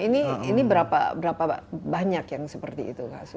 ini berapa banyak yang seperti itu